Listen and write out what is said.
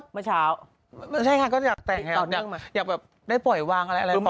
มาเช้า